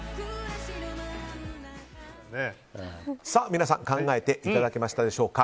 皆さん考えていただきましたでしょうか。